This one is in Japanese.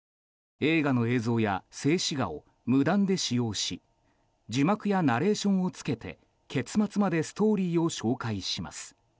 映画の映像や静止画を無断で使用し字幕やナレーションをつけて結末までストーリーを紹介します。